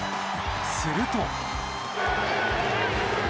すると。